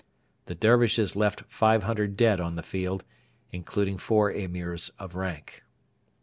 The Dervishes left 500 dead on the field, including four Emirs of rank.